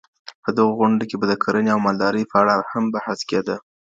په دغو غونډو کي به د کرنې او مالدارۍ په اړه هم بحث کيده.